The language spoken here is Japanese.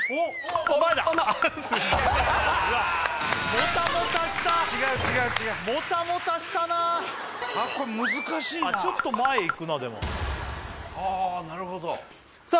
モタモタした違う違う違うあっこれ難しいなちょっと前行くなでもああなるほどさあ